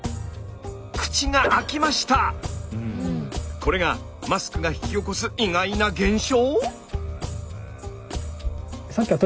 これがマスクが引き起こす意外な現象？